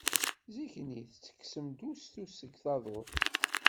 Zik-nni ttekksen-d ustu seg taḍuṭ.